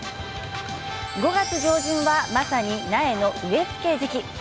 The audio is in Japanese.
５月上旬はまさに苗の植えつけ時期。